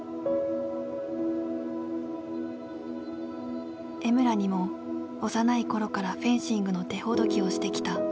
江村にも幼い頃からフェンシングの手ほどきをしてきた。